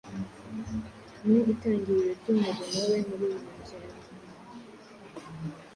Mu itangiriro ry’umurimo we muri uru rugendo,